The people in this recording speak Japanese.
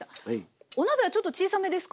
お鍋はちょっと小さめですか？